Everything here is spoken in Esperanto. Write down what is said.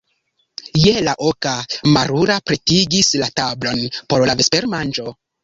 Je la oka, Marula pretigis la tablon por la vespermanĝo.